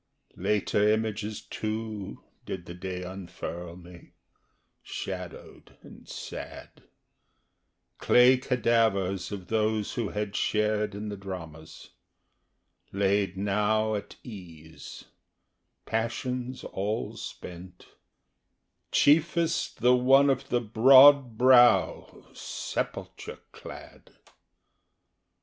Later images too did the day unfurl me, Shadowed and sad, Clay cadavers of those who had shared in the dramas, Laid now at ease, Passions all spent, chiefest the one of the broad brow Sepulture clad.